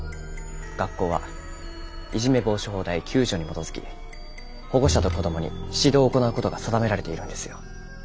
学校はいじめ防止法第９条に基づき保護者と子どもに指導を行う事が定められているんですよ。